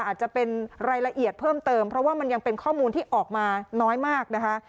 อาจจะเป็นรายละเอียดเพิ่มเติมเพราะว่ามันยังเป็นข้อมูลที่ออกมาน้อยมากนะคะ